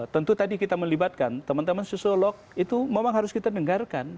tentu tadi kita melibatkan teman teman sosiolog itu memang harus kita dengarkan